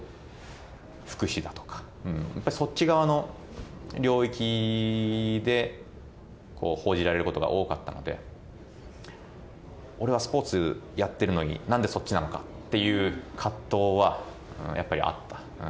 最初のアテネだとか、そのころって、本当にこう、福祉だとか、やっぱそっち側の領域で報じられることが多かったので、俺はスポーツやってるのに、なんでそっちなのかなっていう葛藤はやっぱりあった。